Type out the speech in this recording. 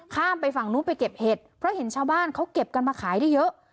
ข้ามไปฝั่งนู้นไปเก็บเห็ดเพราะเห็นชาวบ้านเขาเก็บกันมาขายได้เยอะ